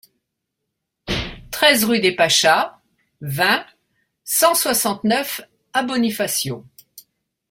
treize rue des Pachas, vingt, cent soixante-neuf à Bonifacio